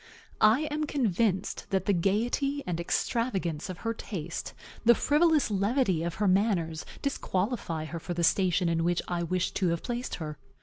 I am convinced that the gayety and extravagance of her taste, the frivolous levity of her manners, disqualify her for the station in which I wished to have placed her.